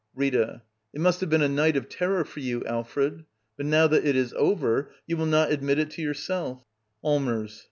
. Rita. It must have been a night of terror for you, Alfred. But now that it is over, you will not admit it to yourself. Allmers.